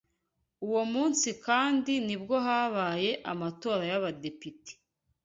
Uwo munsi kandi nibwo habaye amatora y’abadepite